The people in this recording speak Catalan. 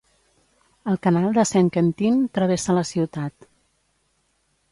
El canal de Saint-Quentin travessa la ciutat.